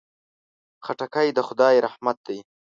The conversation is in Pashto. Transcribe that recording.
خټکی د خدای رحمت دی.